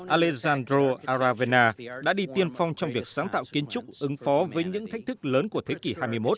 alesandro aravena đã đi tiên phong trong việc sáng tạo kiến trúc ứng phó với những thách thức lớn của thế kỷ hai mươi một